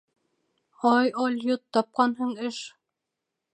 — Ай, алйот, тапҡанһың эш.